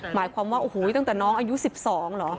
หมายความว่าโอ้โหตั้งแต่น้องอายุ๑๒เหรอ